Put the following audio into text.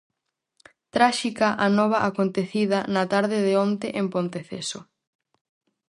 Tráxica a nova acontecida na tarde de onte en Ponteceso.